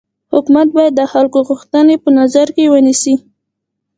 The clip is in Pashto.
حکومت باید د خلکو غوښتني په نظر کي ونيسي.